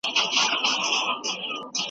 د بدن خوله ځانګړی بوی لري.